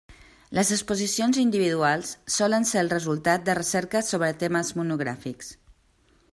Les exposicions individuals solen ser el resultat de recerques sobre temes monogràfics.